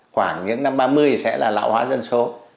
khoảng những năm ba mươi sẽ là lão hóa dân số